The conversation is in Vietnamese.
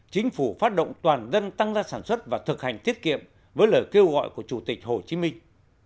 chính phủ phát động toàn dân tăng ra sản xuất và thực hành tiết kiệm với lời kêu gọi của chủ tịch hồ chí minh